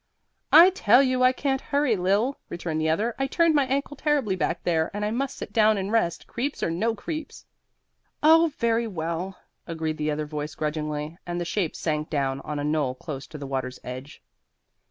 "I tell you I can't hurry, Lil," returned the other. "I turned my ankle terribly back there, and I must sit down and rest, creeps or no creeps." "Oh, very well," agreed the other voice grudgingly, and the shapes sank down on a knoll close to the water's edge.